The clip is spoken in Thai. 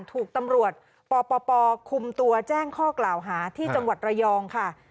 ถูกตำรวจปปคุมตัวแจ้งข้อกล่าวหาที่จังหวัดระยองค่ะ